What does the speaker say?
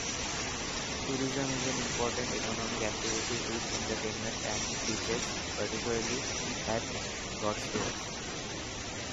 Tourism is an important economic activity with entertainment and beaches, particularly at Broadstairs.